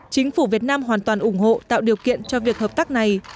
chính phủ việt nam hoàn toàn ủng hộ tạo điều kiện cho việc hợp tác này